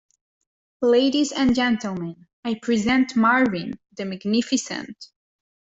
Ladies and gentlemen, I present Marvin the magnificent.